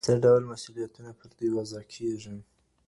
څه ډول مسوولیتونه پر دوی وضع کیږي؟